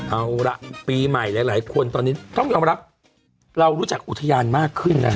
เอาละปีใหม่หลายคนตอนนี้ต้องยอมรับเรารู้จักอุทยานมากขึ้นนะฮะ